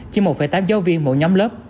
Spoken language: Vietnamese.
chỉ một tám giáo viên mỗi nhóm lớp